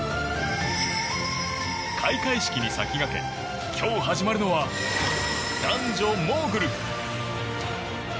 開会式に先駆け今日始まるのは男女モーグル。